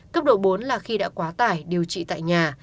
cấp độ bốn là khi đã quá tải điều trị tại nhà